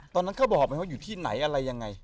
ตอนนั้นเขาบอกมันอยู่ที่ไหนอะไรยังไง